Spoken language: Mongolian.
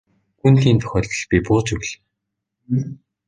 Гүн тийм тохиолдолд би бууж өглөө.